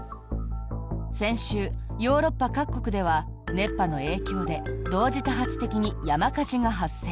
先週、ヨーロッパ各国では熱波の影響で同時多発的に山火事が発生。